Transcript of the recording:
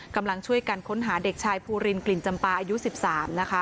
กำลังช่วยกันค้นหาเด็กชายภูรินกลิ่นจำปาอายุ๑๓นะคะ